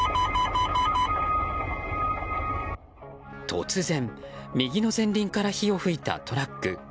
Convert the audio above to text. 突然、右の前輪から火を噴いたトラック。